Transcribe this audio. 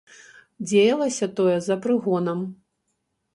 Дзеялася тое за прыгонам.